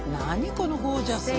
このゴージャスな。